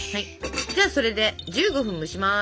じゃあそれで１５分蒸します！